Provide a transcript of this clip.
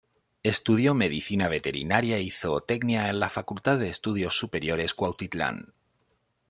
Estudió Medicina Veterinaria y Zootecnia en la Facultad de Estudios Superiores Cuautitlán.